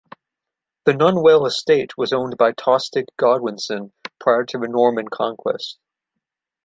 The Nunwell Estate was owned by Tostig Godwinsson prior to the Norman Conquest.